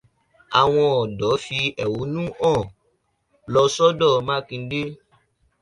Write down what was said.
Àwọn ọ̀dọ́ fi ẹ̀hónú hàn lọ sọ́dọ̀ Mákindé.